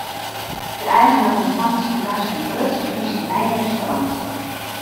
De eigener ûntfangt syn gasten grutsk yn syn nije restaurant.